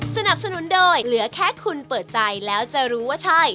สนับสนุนโดยเหลือแค่คุณเปิดใจแล้วจะรู้ว่าใช่